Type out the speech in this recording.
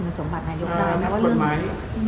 น๊อนักกฎหมาย